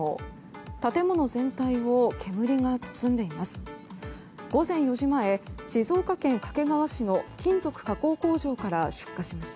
建物全体を煙が包んでいます。